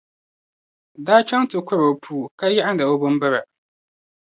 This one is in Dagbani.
daa chaŋ n ti kɔri o puu, ka yaɣindi o bimbira.